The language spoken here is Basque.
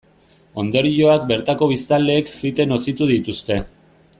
Ondorioak bertako biztanleek fite nozitu dituzte.